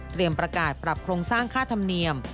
ประกาศปรับโครงสร้างค่าธรรมเนียม